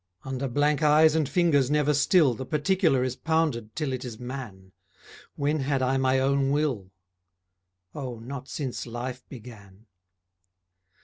Under blank eyes and fingers never still The particular is pounded till it is man, When had I my own will? Oh, not since life began.